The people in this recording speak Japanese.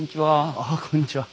ああこんにちは。